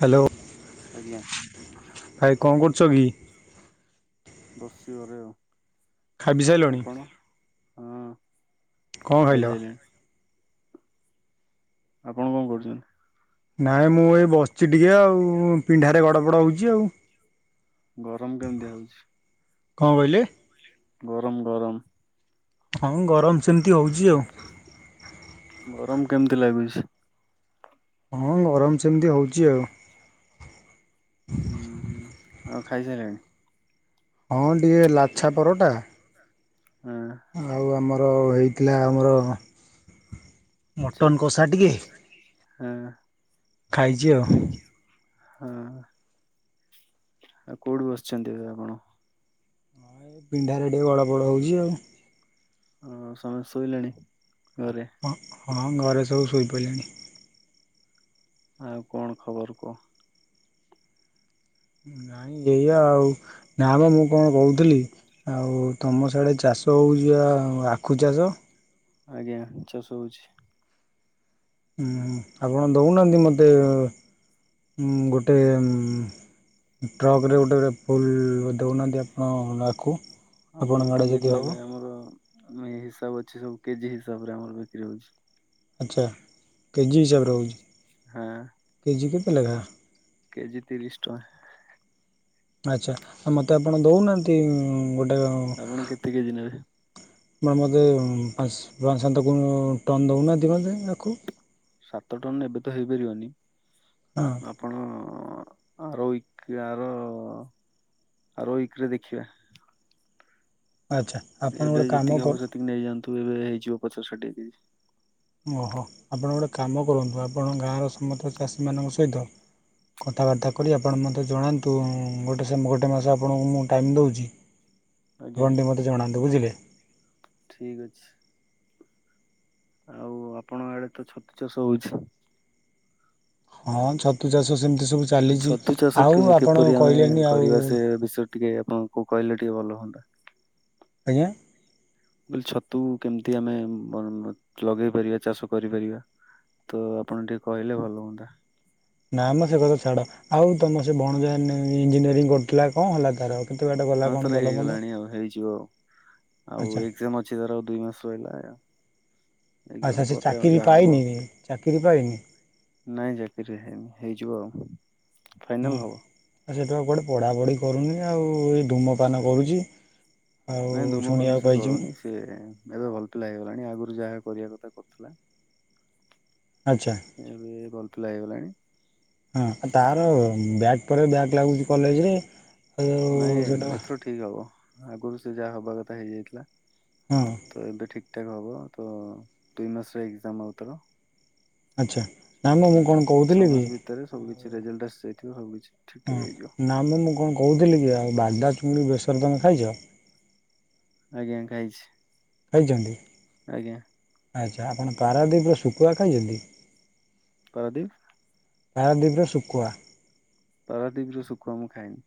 Hello. ଆଜ୍ଞା। ଭାଇ କଣ କରୁଛ କି? ବସିଚି ଘରେ ଆଉ ଖାଇ ପିଇ ସାରିଲଣି ଆପଣ ହଁ। କଣ ଖାଇ ଖାଇଲ? ସାରିଲେଣି? ଆପଣ କଣ କରୁଛନ୍ତି? ନାଇଁ ମୁଁ ଏଇ ବସିଛି ଟିକେ ଆଉ ପିଣ୍ଡାରେ ଗଡ ପଡ ହଉଛି ଆଉ। ଗରମ କେମିତିଆ ହଉଛି? କଣ କହିଲେ? ଗରମ ଗରମ। ହଁ ଗରମ ସେମିତି ହଉଛି ଆଉ। ଗରମ କେମିତି ଲାଗୁଛି? ହଁ ଗରମ ସେମିତି ହଉଚି ଆଉ। ହୁଁ ହୁଁ ଆଉ ଖାଇ ସାରିଲେଣି? ହଁ ଟିକେ ଲାଛା ପରଟା ହଁ ଅ ଅ ହେଇଥିଲା ଆମର। ଚି ମଟନ୍ କଷା ଟିକେ ହଁ ଖାଇଛି ଆଉ। ହଁ ଆଉ କୋଉଠୁ ବସିଛନ୍ତି ଏବେ ଆପଣ? ପିଣ୍ଡା ରେ ଟିକେ ଗଡ ପଡ ହୋଉଛି ଆଉ। ହଁ ସମସ୍ତେ ଶୋଇଲେଣି ଘରେ। ହଁ ହଁ ଘରେ ସବୁ ଶୋଇପଡ଼ିଲେଣି। ଆଉ କଣ ଖବର କୁହ? ନାଇଁ ଏଇଆ ଆଉ ନା ମ ମୁଁ କଣ କହୁଥିଲି ଆଉ ତମ ସିଆଡେ ଚାଷ ଚାଷ ହେଉଛି ପା ଆଖୁ ଚାଷ। ଆଜ୍ଞା ଚାଷ ହଉଛି। ହୁଁ ଆପଣ ଦଉନାହାନ୍ତି ମୋତେ ହୁଁ ଗୋଟେ ଏ ଟ୍ରକରେ ଗୋଟେ ଗୋଟେ ଫୁଲ୍ ଦେଉନାହାନ୍ତି ଆପଣ ଆଖୁ। ଆମର ଆପଣଙ୍କ ଆଡ଼େ ଯଦି କେମିତି ହେବ ନେବେ ଆମର ଆମର ହିସାବ ଅଛି ସବୁ କେଜି ହିସାବ ରେ ଆମର ବିକ୍ରି ହଉଛି। ଆଚ୍ଛା କେଜିି ହିସାବ ରେ ହଉଛି। ହଁ। ଇଲୋ ବା। କେଜି ତିରିଶ ଟଙ୍କା। ଆଛା ମତେ ଆପଣ ଦଉନାହାନ୍ତି ଗୋଟେ ଆପଣ କେତେ କେଜି ନେବେ? ମ ମୋତେ ପାଞ୍ଚ ପାଞ୍ଚଶ ତ ଟନ ଦେଉନାହାଁନ୍ତି ମୋତେ ଆଖୁ। ସାତ ଟନ ଏବେ ତ ହେଇପାରିବନି। ହଁ ଆପଣ ଆର ଉଇକ ଆର ଆର ୱିକରେ ଦେଖିବା। ଆଚ୍ଛା ଆପଣ ଏବେ ଗୋଟେ କାମ ଯେତିକି କର ହବ ସେତିକି ନେଇଯାଆନ୍ତୁ ଏବେ ହେଇଯିବ ପଚାଶ ଷାଠିଏ କେ ଜି। ଓହୋ ଆପଣ ଗୋଟେ କାମ କରନ୍ତୁ ଆପଣ ଗାଁର ସମସ୍ତ ଚାଷୀମାନଙ୍କ ସହିତ କଥାବାର୍ତ୍ତା କରି ଆପଣ ମୋତେ ଜଣାନ୍ତୁ ଗୋଟେ ଗୋଟେ ସେ ମାସ ଆପଣଙ୍କୁ ମୁଁ ଟାଇମ୍ ଦେଉଛି। ଆଜ୍ଞା ଆପଣ ଟିକେ ମତେ ଜଣନ୍ତୁ ବୁଝିଲେ। ଠିକ ଅଛି ଆଉ ଆପଣଙ୍କ ଆଡେ ତ ଛତୁ ଚାଷ ହଉଛି। ହଁ। ଛତୁ ଚାଷ ସେମିତି ସବୁ ଚାଲିଛି ଛତୁ ଚାଷ ଆଉ ଆପଣ କିପରି ଆମେ କହିଲେନି ଆଉ କରିବା ସେ ବିଷୟ ଟିକେ ଆପଣ କୋଉ କହିଲେ ଗୋଟି ଭଲ ହୁଅନ୍ତା। ଆଜ୍ଞା ବ ଛତୁ କେମିତି ଆମେ ଲଗେଇ ପାରିବା ଚାଷ କରିପାରିବା। ତ ଆପଣ ଟିକେ କହିଲେ ଭଲ ହୁଅନ୍ତା। ନା ଆମ ସେ କଥା ଛାଡ ଆଉ ତମ ସେ ବଣଜ ଇଞଜିନିୟରିଂ କରୁଥିଲା କଣ ହେଲା ତାର? କେତେ ବାଟ ଗଲା ହଁ କ'ଣ ତାର ଭଲ ମନ୍ଦ ହେଇଗଲାଣି ଆଉ ହେଇଯିବ ଆଉ। ଆଉ ଆଚ୍ଛା ଏଜାମ ଅଛି ତର ଆଉ ଦୁଇ ମାସ ରହିଲା। ଏକ୍ଜାମ ଆଛା ସେ ପରେ ଆଉ ଚାକିରି ଯାହା ହବ। ପାଇନି ଚାକିରି ପାଇନି। ନାଇଁ ଚାକିରି ହେଇନି ହେଇଯିବ ଆଉ। ଫାଇନାଲ ହୁଁ ହବ। ଆଉ ସେଠା କୋଆଟେ ପଢା ପଢି କରୁନି ଆଉ ଏ ଧୂମପାନ କରୁଛି। ଆଉ ନାଇଁ ଧୂମପାନ ଶୁଣିବାକୁ ସେ ପାଇଛି ମୁଁ କରୁନି ସିଏ ଏବେ ଭଲ ପିଲା ହେଇଗଲାଣି ଆଗରୁ ଯାହା କରିବା କଥା କରୁଥିଲା। ଆଚ୍ଛା ଏବେ ପିଲା ହେଇଗଲାଣି। ହଁ ତାର ବ୍ୟାଗ୍ ପରେ ବ୍ୟାଗ୍ ଲାଗୁଛି କଲେଜରେ। ଆଉ ନାଇଁ ସେଇଟା ଏଥର ଠିକ ହବ। ଆଗରୁ ସେ ଯାହା ହବା କଥା ହେଇଯାଇଥିଲା ହଁ ତ ଏବେ ଠିକ ଠ ହବ ତ ଦୁଇ ମାସରେ ଏଜାମ ଆଉ ତାର। ଆଚ୍ଛା। ନା ମ ମୁଁ ହଁ କଣ କହୁଥିଲି ଛଅ କି ମାସ ଭିତରେ ସବୁ କିଛି ରେଜଲଟ ଆସି ଯାଇଥିବ ସବୁ କିଛି। ଠିକ ଠାକ ହଁ ହେଇଯିବ। ନାମ ମୁଁ କଣ କହୁଥିଲି କି ଆଉ ବାଦା ଚୁଙ୍ଗୁଡ଼ି ବେସର ତମେ ଖାଇଛ? ଆଜ୍ଞା ଖାାଇଛି। ଖାଇଛନ୍ତି? ଆଚ୍ଛା ଆପଣ ପାରାଦ୍ୱୀପରେ ଶୁଖୁଆ ଖାଇଚନ୍ତି? ପରାଦୀପ? ପାରାଦୀପର ଶୁକୁଆ। ପାରାଦପ ର ଶୁଖୁଆ ମୁଁ ଖାଇନି।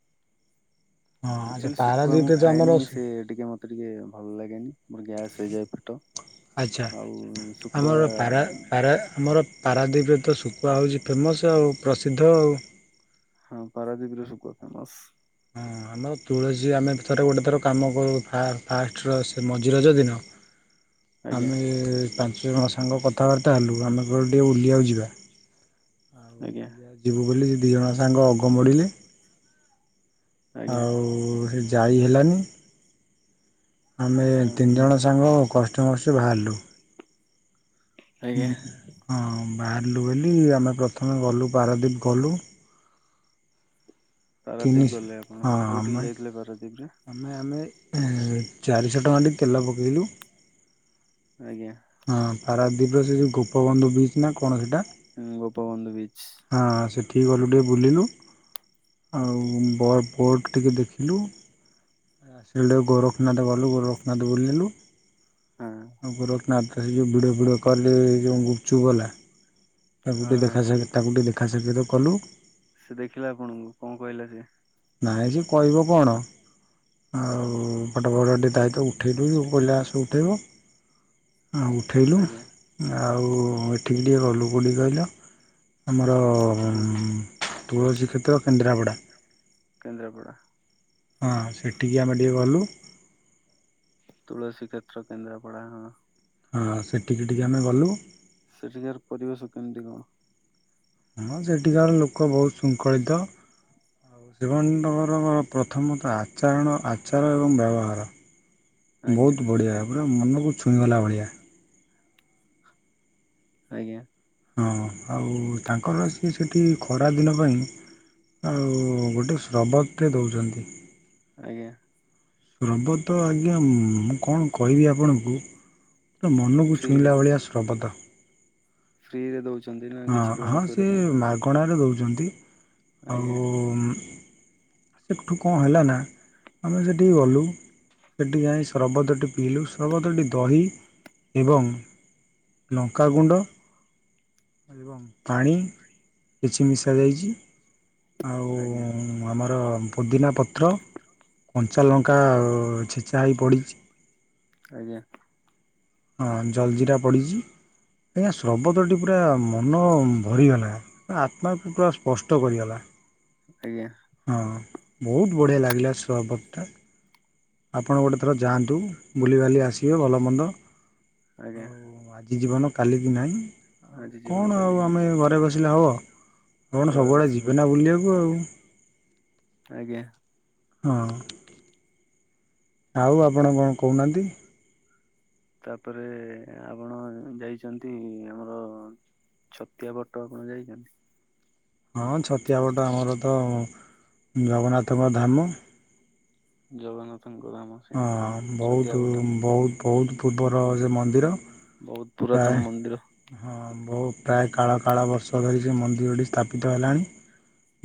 ହଁ ଆଚ୍ଛା ଆଚୁଆଲି ଶୁଖୁଆ ମୁଁ ପାରାଦ୍ୱୀପରେ ତ ଆମର ଖାଏନି ସେ ଟିକେ ମତେ ଟିକେ ଭଲ ଲାଗେନି ମୋର ଗ୍ୟାସ ହେଇଯାଏ ପେଟ। ଆଛା ଆଉ ଶୁଖୁଆ ଆମର ପାରା ପାରା ଆମର ପାରାଦିପରେ ତ ସୁ କୁହାହଉଛି ଫେମସ୍ ଆଉ ପ୍ରସିଦ୍ଧ ଆଉ। ହଁ ପାରାଦୀପରେ ସୁଖୁଆ ଫେମସ। ହଁ ଆମର ତୁଳସୀ ଆମେ ଥରେ ଗୋଟେ ଥର କାମ କରୁ ଫାଷ୍ଟର ସେ ମଝି ରଜ ଦିନ ହ। ଆମେ ପାଞ୍ଚ ଜଣ ସାଙ୍ଗ କଥାବାର୍ତ୍ତା ହେଲୁ, ଆମେ କୁଆଡେ଼ ଟିକେ ଉଲିଆକୁ ଯିବା। ଆଉ ଆଜ୍ଞା ବୁଲିବାକୁ ଯିବୁ ବୋଲି କି ଦି ଜଣ ସାଙ୍ଗ ଅଗ ମୋଡ଼ିଲେ। ଆଜ୍ଞା ଆଉ ସେ ଯାଇ ହେଲାନି। ଆମେ ହଁ ତିନି ଜଣ ସାଙ୍ଗ କଷ୍ଟେ ମଷ୍ଟେ ବାହାରିଲୁ। ହୁଁ ଆଜ୍ଞା ହଁ। ବାହାରିଲୁ ବୋଲି, ଆମେ ପ୍ରଥମେ ଗଲୁ ପାରାଦ୍ୱୀପ ଗଲୁ। ତିନି ପାରାଦୀପ ହଁ ଗଲେ ଆପଣ କୋଉଠି କି ଆମେ ଯାଇଥିଲେ ପାରାଦୀପ୍? ଆମେ ଆମେ ଚାରିଶହ ଟଙ୍କା ଟି ତେଲ ପକେଇଲୁ। ଆଜ୍ଞା। ପାରାଦ୍ୱୀପରେ ସେ ଯଉ ଗୋପବନ୍ଧୁ ବିଚ ନା କଣ ସେଟା? ହଁ ଗୋପବନ୍ଧୁ ବୀଚ ଠିକ୍ ଗଲୁ ଟିକେ ବୁଲିଲୁ ଆଉ ବ ବୋର୍ଡ଼ ଟିକେ ଦେଖିଲୁ। ଆସିଲୁ ଗୋରଖନାଥ ଗଲୁ ଗୋରଖନାଥ ବୁଲିଲୁ ହଁ ଗୋରଖନାଥ ଭିଡ଼ ଭିଡ଼ କରଲି ଯେ ଗୁପଚୁପ ବାଲା ହଁ ତାକୁଟିକେ ହଁ। ଦେଖା ସା ତାକୁଟିକେ ଦେଖା ସାକ୍ଷତ କଲୁ। ସେ ଦେଖିଲା ଆପଣଙ୍କୁ କଣ କହିଲା ସେ? ନାଇଁ ଯେ କହିବ କଣ। ଆଉ ଫଟ ମଟ ଟିକେ ତା ସହିତ ଉଠେଇବୁ କହିଲା ଆସ ଉଠେଇବ। ଆଉ ଉଠେଇଲୁ ଆଜ୍ଞା ଆଉ ଏଠିକି ଟିକେ ଗଲୁ କଉଠିକି କହିଲ ଆମର ର କୋଉଠି ତୁଳସୀ କ୍ଷେତ୍ର କେନ୍ଦ୍ରାପଡ଼ା। କେନ୍ଦ୍ରାପଡ଼ା। ହଁ ସେଠିକି ଆମେ ଟିକେ ଗଲୁ। ତୁଳସୀ କ୍ଷେତ୍ର କେନ୍ଦ୍ରପଡ଼ା ଆଁ। ଆଁ ସେଠିକି ଟିକେ ଆମେ ଗଲୁ। ସେଠିକାର ପରିବେଶ କେମିତି କଣ? ହଁ ସେଠିକାର ଲୋକ ବହୁ ଶୃଙ୍ଖଳିତ। ଆଉ ଶିବଣ୍ଡଙ୍କରର ପ୍ରଥମତଃ ଆଚରଣ ଆଚାର ଏବଂ ବ୍ୟବହାର। ଆଜ୍ଞା ବହୁତ୍ ବଢ଼ିଆ ପୁରା ମନକୁ ଛୁଇଁଗଲା ଭଳିିଆ। ଆଜ୍ଞା। ହଁ ଆଉ ତାଙ୍କର ସିଏ ସେଠି ଖଡା ଦିନ ପାଇଁ ଆଉ ଗୋଟେ ଶ୍ରବତ୍ ଟେ ଦଉଚନ୍ତି। ଆଜ୍ଞା। ଶ୍ରବତ ଆଜ୍ଞା ମୁଁ କଣ କହିବି ଆପଣଙ୍କୁ। ମନକୁ ଛୁଇଁଲା ଭଳିଆ ସ୍ରବତ। ଫ୍ରି ରେ ଦଉଚି। ହଁ ହଁ ସେ ମାଗଣାରେ ଦେଉଚନ୍ତି ଆଜ୍ଞା ଆଉ ସେଠୁ କଣ ହେଲା ନା ଆମେ ସେଠିକି ଗଲୁ ସେଠି ଯାଇ ସର୍ବତଟି ପିଇଲୁ ସର୍ବତଟି ଦହି ଏବଂ ଲଙ୍କା ଗୁଣ୍ଡ। ଏବଂ ପାଣି କିଛି ମିଶା ଯାଇଚି। ଆଉ ଆଜ୍ଞା ଆମର ପୁଦିନା ପତ୍ର, କଞ୍ଚା ଲଙ୍କା ଆଉ ଛେଚା ହେଇ ପଡିଚି। ଆଜ୍ଞା। ହଁ ଜଲ ଜିରା ପଡ଼ିଚି। ଆଜ୍ଞା ସ୍ରବତଟି ପୁରା ମନ ଭରିଗଲା, ଆତ୍ମାକୁ ପୁରା ସ୍ପଷ୍ଟ କରିଗଲା। ଆଜ୍ଞା ହଁ ବହୁତ ବଢ଼ିଆ ଲାଗିଲା ଶ୍ରବତଟା। ଆପଣ ଗୋଟେ ଥର ଯାଆନ୍ତୁ, ବୁଲିିବାଲି ଆସିବେ ଭଲମନ୍ଦ ଆଜ୍ଞା। ଜି ଜୀବନ କାଲିକି ନାହିଁ, ଆଜି ଜୀବନ କଣ କାଲି ଆଉ କିନ୍ତୁ ଆମେ ଘରେ ବସିଲେ ହବ? କଣ ବସ୍ ସବୁଆଡ଼େ ଯିବେନା ବୁଲିବାକୁ ଆଉ। ଆଜ୍ଞା। ହଁ। ଆଉ ଆପଣ କଣ କହୁନାହାନ୍ତି। ତାପରେ ଆପଣ ଯାଇଚନ୍ତି ଆମର ଛତିଆ ବଟ ଆପଣ ଯାଇଚନ୍ତି। ହଁ ଛତିଆବଟ ଆମର ତ ଜଗନ୍ନାଥଙ୍କ ଧାମ। ଜଗନ୍ନାଥ ଅହଁ ବହୁତ ବହୁତ ବହୁତ ପୂର୍ବର ସେ ମନ୍ଦିର। ବହୁତ ପୁରାତନ ପ୍ରାୟ ମନ୍ଦିର ହଁ ବହୁତ ପ୍ରାୟ କାଳ କାଳ ବର୍ଷ ଧରି ସେ ମନ୍ଦିରଟି ସ୍ଥାପିତ ହେଲାଣି।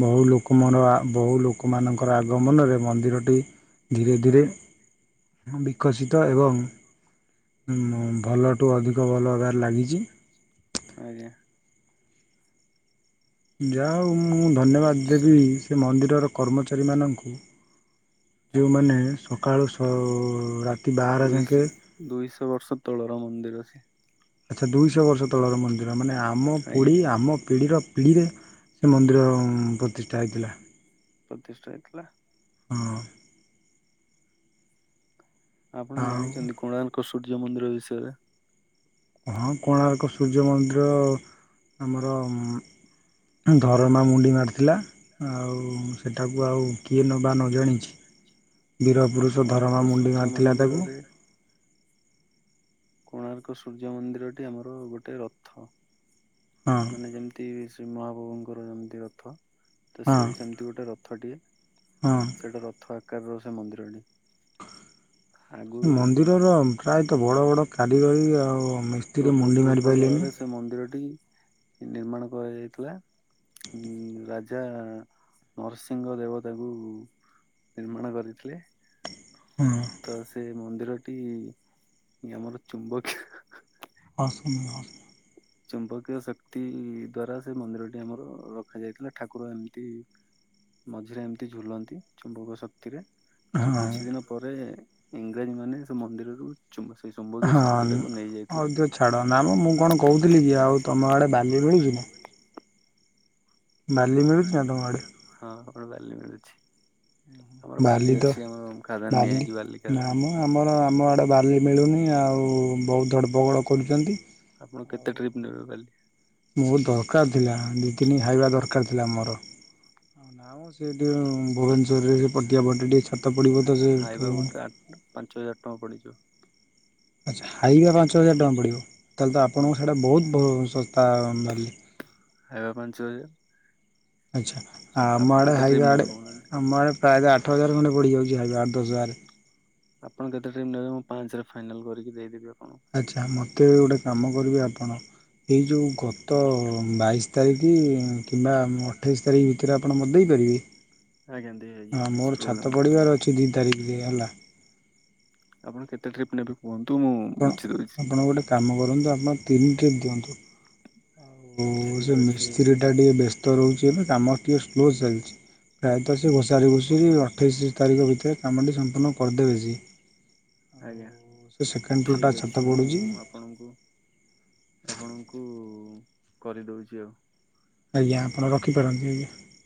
ବହୁ ଲୋକ ମ ର ବହୁ ଲୋକମାନଙ୍କର ଆଗମନରେ ମନ୍ଦିରଟି ଧୀରେ ଧୀରେ ବିକଶିତ ଏବଂ ଭଲଠୁ ଅଧିକ ଭଲ ହେବାରେ ଲାଗିଚି। ଆଜ୍ଞା। ଯା ହଉ ମୁଁ ଧନ୍ୟବାଦ ଦେବି ସେଠି ସେ ମନ୍ଦିରର କର୍ମଚାରୀମାନଙ୍କୁ ଯୋଉମାନେ ସକାଳୁ ରା ଦୁଇଶ ଦୁଇଶହ ବର୍ଷ ତଳର ମନ୍ଦିର ସିଏ। ଆଚ୍ଛା ଦୁଇଶହ ବର୍ଷ ତଳର ମନ୍ଦିର ମାନେ ଆମ ଆଜ୍ଞା ପିଢ଼ି ଆମ ପିଢ଼ିର ପିଢ଼ିରେ ସେ ମନ୍ଦିର ପ୍ରତିଷ୍ଠା ହେଇଥିଲା। ପ୍ରତିଷ୍ଠା ହେଇଥିଲା। ହଁ। ଆପଣ ଆଉ ଜାଣିଛନ୍ତି କୋଣାର୍କ ସୂର୍ଯ୍ୟ ମନ୍ଦିର ବିଷୟରେ? ହଁ କୋଣାର୍କ ସୂର୍ଯ୍ୟ ମନ୍ଦିର ଆମର ଧରମା ମୁଣ୍ଡି ମାରିଥିଲା ଆଉ ସେଟାକୁ ଆଉ କିଏ ବା ନ ଜାଣିଛି। ବୀରପୁରୁଷ ଧରମା କୋଣାର୍କ ମୁଣ୍ଡି ସୂର୍ଯ୍ୟ ମାରି ଥିଲା ତାକୁ। ମନ୍ଦିରରେ କୋଣାର୍କ ସୂର୍ଯ୍ୟ ମନ୍ଦିରଟି ଆମର ଗୋଟେ ରଥ ହଁ ମାନେ ଯେମିତି ଶ୍ରୀ ମହାବାବୁଙ୍କର ଯେମିତି ରଥ ତ ହଁ ସିଏ ବି ସେମତି ଗୋଟେ ରଥଟିଏ। ହଁ ସେଟା ରଥ ଆକାରର ସେ ମନ୍ଦିରଟି। ଆଗରୁ ସେ ମନ୍ଦିରର ପ୍ରାୟତଃ ବଡ ବଡ କାରିଗରୀ ଆଉ ମିସ୍ତ୍ରୀ ପୂର୍ବ ମୁଣ୍ଡି ମାରି ପୂର୍ବ ପାରିଲେନି କାଳରେ ସେ ମନ୍ଦିରଟି ନିର୍ମାଣ କରାଯାଇଥିଲା। ଉଁ ରାଜା ନରସିଂହ ଦେବତାଙ୍କୁ ନିର୍ମାଣ କରିଥିଲେ। ତ ସେ ମନ୍ଦିରଟି ଆମର ଚୁମ୍ବକୀୟ। ହସନି ହସ ଚୁମ୍ବକୀୟ ଶକ୍ତି ଦ୍ଵାରା ସେ ମନ୍ଦିରଟି ଆମର ରଖାଯାଇଥିଲା ଠାକୁର ଏମିତି ମଝିରେ ଏମିତି ଝୁଲନ୍ତି ଚୁମ୍ବକ ଶକ୍ତିରେ। ହଁ ତ ହଁ କିଛି ଦିନ ପରେ ଇଂରାଜୀ ମାନେ ସେ ମନ୍ଦିରରୁ ଚୁମ୍ବ ସେଇ ଚୁମ୍ବକୀୟ ହଁ ଶକ୍ତି ଟାକୁ ନେଇଯାଇଥିଲେ ହଉ ଦିଅ ଛାଡ ନା ମ ମୁଁ କଣ କହୁ ଥିଲି କି ଆଉ ତମ ଆଡ଼େ ବାଲି ମିଳୁଛି ନା? ବାଲି ମିଳୁଛି ନା ତମ ଆଡେ? ହଁ ବାଲି ମିଳୁଛି। ଆମର ବାଲି ତ ଅଛି ଆମର ଖାଦାନ ନିଆ ବାଲି ହେଇଛି ନା ଖାଦାନ ଆମ ଆମର ଆମ ଆଡ଼େ ବାଲି ମିଳୁନି ଆଉ ବହୁତ ଧଡ଼ପଗଡ଼ କରୁଛନ୍ତି। ଆପଣ କେତେ ଟ୍ରିପ୍ ନେବେ ବାଲି? ମୋର ଦରକାର ଥିଲା ଦି ତିନି ହାଇବା ଦର କାର ଥିଲା ମୋର ଆଉ ନା ମ ସେଇଠି ଭୁବନେଶ୍ୱରରେ ସେ ପଟିଆ ପଟେ ଟିକ ହାଇବା ଗୋଟେ ଆଠ ପାଞ୍ଚ ହଜାର ଟଙ୍କା ପଡିଯିବ। ଆଛା ହାଇବା ପାଞ୍ଚ ହଜାର ଟଙ୍କା ପଡିବ ତାହେଲେ ତ ହୁଁ ଆପଣଙ୍କୁ ସେଇଟା ବହୁତ ବ ଶସ୍ତା ବାଲି। ହାଇବ ପାଞ୍ଚ ହଜାର। ଆଛା ଆମ ଆପଣ ଆଡେ କେତେ ଟ୍ରିପ୍ ହାଇବା ନେବେ ଆଡ଼େ କହୁନାହାନ୍ତି ଆମ ଆଡେ ପ୍ରାୟତଃ ଆଠ ହଜାର ଖଣ୍ଡେ ପଡି ଯାଉଛି ହାଇବା ଦଶ ହଜାରେ। ଆପଣ କେତେ ଟାଇମ୍ ନେବେ ମୁଁ ପାଞ୍ଚରେ ଫାଇନାଲ କରିକି ଦେଇଦେବି ଆପଣଙ୍କୁ। ଆଚ୍ଛା ମୋତେ ଗୋଟେ କାମ କରିବେ ଆପଣ ଏଇ ଯୋଉ ଗତ ବାଇଶ ତାରିଖ କିମ୍ବା ଅଠେଇଶ ତାରିଖ ଭିତରେ ଆପଣ ମତେ ଦେଇପାରିବେ? ଆଜ୍ଞା ଦେଇ ହେଇଯିବ ହଁ କିଛି ମୋର ପ୍ରୋବ୍ଲେମ୍ ଛାତ ନାହିଁ ପଡ଼ିବାରେ ଅଛି ଦି ତାରିଖରେ ହେଲା। ଆପଣ କେତେ ଟ୍ରିପ ନେବେ କୁହନ୍ତୁ? ମୁଁ ଆପଣ ବୁଝିଦଉଛି ଆପଣ ଗୋଟେ କାମ କରନ୍ତୁ ଆପଣ ତିନି ଟ୍ରିପ୍ ଦିଅନ୍ତୁ। ଆଉ ସେ ଠିକ୍ ଅଛି ମିସ୍ତ୍ରୀ ଟା ଟିକେ ବ୍ୟସ୍ତ ରହୁଛି ଏବେ କାମ ଟିକେ ସ୍ଲୋ ଚାଲିଛି ପ୍ରାୟ ତ ସେ ଘୋଷାରି ଆପଣ ଘୁଷରି ଅଠେଇଶ ତାରିଖ ଭିତରେ କାମଟି ସମ୍ପୂର୍ଣ୍ଣ କରିଦେବେ ସିଏ। ଆଜ୍ଞା ଆଉ ସେ ସେକେଣ୍ଡ ଫ୍ଲୋରଟା ଠିକ ଛାତ ଅଛି ମୁଁ ପଡ଼ୁଛି ଆପଣଙ୍କୁ ଆପଣଙ୍କୁ କୁ କରିଦଉଛି ଆଉ। ଆଜ୍ଞା ଆପଣ ରଖିପାରନ୍ତି ଆଜ୍ଞା।